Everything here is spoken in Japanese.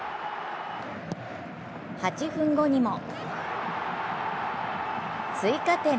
８分後にも追加点。